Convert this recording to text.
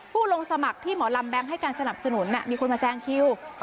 ผู้ลงสมัครที่หมอลำแบงค์ให้การสนับสนุนมีคนมาแซงคิว